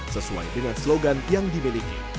sesuai dengan slogan yang dimiliki